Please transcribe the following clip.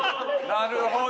なるほど。